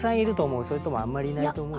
それともあんまりいないと思う？